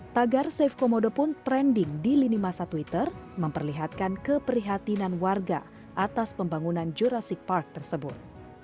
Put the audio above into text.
tagar safe komodo pun trending di lini masa twitter memperlihatkan keprihatinan warga atas pembangunan jurassic park tersebut